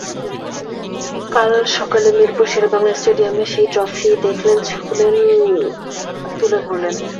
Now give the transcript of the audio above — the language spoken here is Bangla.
কাল সকালে মিরপুর শেরেবাংলা স্টেডিয়ামে সেই ট্রফি দেখলেন, ছুঁলেন, তুলে ধরলেন।